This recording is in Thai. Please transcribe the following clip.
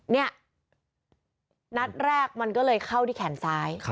เนี่ยนัดแรกมันก็เลยเข้าที่แขนซ้าย